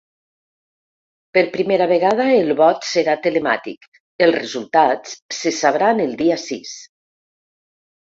Per primera vegada el vot serà telemàtic, els resultats se sabran el dia sis.